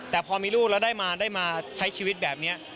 แต่พอมีลูกแล้วได้มาได้มาใช้ชีวิตแบบนี้